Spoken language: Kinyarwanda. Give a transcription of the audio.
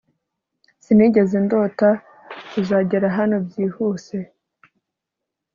Sinigeze ndota uzagera hano byihuse